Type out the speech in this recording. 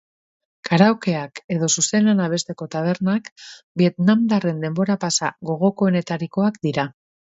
Karaokeak edo zuzenean abesteko tabernak vietnamdarren denbora-pasa gogokoenetarikoak dira.